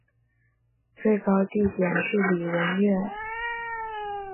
最高地点是礼文岳。